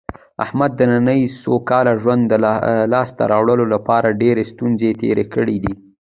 احمد د نننۍ سوکاله ژوند د لاسته راوړلو لپاره ډېرې ستونزې تېرې کړې دي.